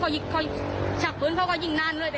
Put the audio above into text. ยิกตามไปเรื่อยตรงนี้ยังยิกนานยังไม่ทัน